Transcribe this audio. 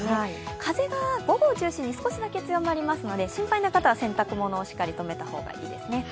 風が午後を中心に少しだけ強まりますので心配な方は洗濯物をしっかりとめた方がいいですね。